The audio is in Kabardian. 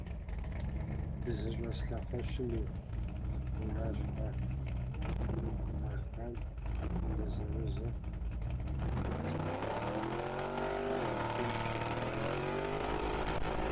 ДызыщӀэс лъэхъуэщым и унащхьэ кхъахэм зэзэмызэ къыпхыплъырт уафэ лъащӀэ куум щылыд вагъуэр.